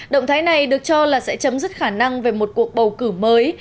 động thái này được cho là sẽ chấm dứt khả năng về một cuộc bầu cử mới